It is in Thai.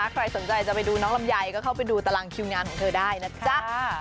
ใครสนใจจะไปดูน้องลำไยก็เข้าไปดูตารางคิวงานของเธอได้นะจ๊ะ